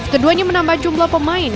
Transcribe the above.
keduanya menambah jumlah pemain